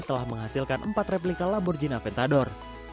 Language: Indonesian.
telah menghasilkan empat replika lamborghini aventador